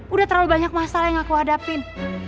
udah terlalu banyak masalah yang aku hadapin